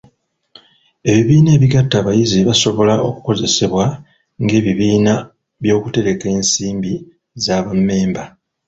Ebibiina ebigatta abayizi basobola okukozesebwa ng'ebibiina by'okutereka ensimbi za bammemba.